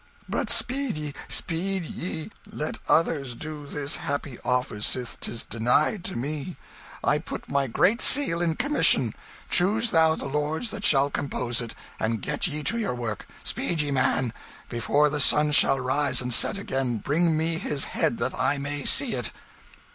But speed ye, speed ye! let others do this happy office sith 'tis denied to me. I put my Great Seal in commission: choose thou the lords that shall compose it, and get ye to your work. Speed ye, man! Before the sun shall rise and set again, bring me his head that I may see it."